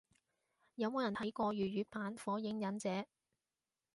有冇人睇過粵語版火影忍者？